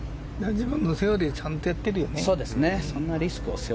自分のセオリーをちゃんとやってるよね。